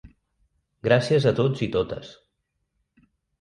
Gràcies a tots i totes.